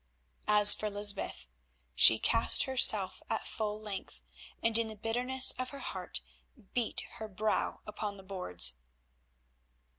As for Lysbeth she cast herself at full length, and in the bitterness of her heart beat her brow upon the boards.